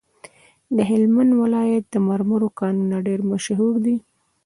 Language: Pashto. د هلمند ولایت د مرمرو کانونه ډیر مشهور دي.